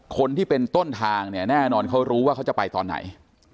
คนที่เป็นต้นทางเนี่ยแน่นอนเขารู้ว่าเขาจะไปตอนไหน